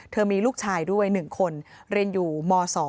มีลูกชายด้วย๑คนเรียนอยู่ม๒